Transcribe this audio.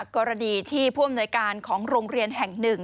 กรณีที่ผู้อำนวยการของโรงเรียนแห่งหนึ่ง